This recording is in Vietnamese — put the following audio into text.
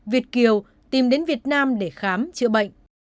việt kiều tìm đến việt nam để khám chữa bệnh